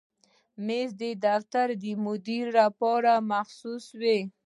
مېز د دفتر د مدیر لپاره مخصوص وي.